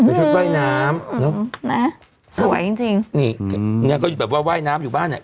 เป็นชุดว่ายน้ำสวยจริงนี่ก็แบบว่าว่ายน้ำอยู่บ้านเนี่ย